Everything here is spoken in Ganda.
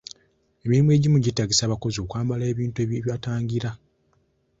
Emirimu egimu gyetaagisa abakozi okwamabala ebintu ebibatangira.